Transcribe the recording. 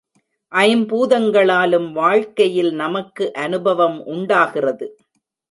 ஐம்பூதங்களாலும் வாழ்க்கையில் நமக்கு அநுபவம் உண்டாகிறது.